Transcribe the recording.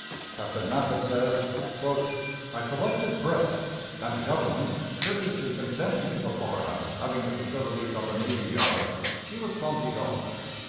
Captain Maffitt says: "I selected Brest, and, the Government courteously consenting to the Florida having the facilities of the navy yard, she was promptly docked."